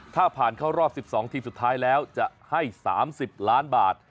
ถ้าผ่านเข้ารอบ๑๒ทีมสุดท้ายแล้วจะให้๓๐ล้านบาท